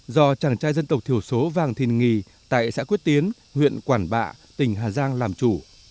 do chàng trai dân tộc thiểu số vàng thìn nghì tại xã quyết tiến huyện quản bạ tỉnh hà giang làm chủ